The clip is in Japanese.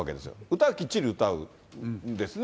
歌はきっちり歌うんですね。